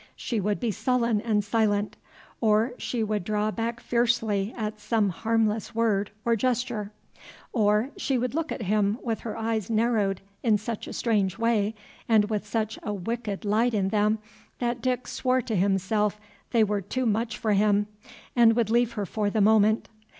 She would be sullen and silent, or she would draw back fiercely at some harmless word or gesture, or she would look at him with her eyes narrowed in such a strange way and with such a wicked light in them that Dick swore to himself they were too much for him, and would leave her for the moment.